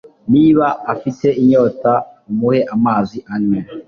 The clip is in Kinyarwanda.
niba afite inyota umuhe amazi anywe